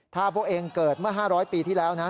ถ้าพวกเองเกิดเมื่อ๕๐๐ปีที่แล้วนะ